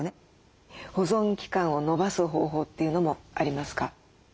保存期間を延ばす方法というのもありますか？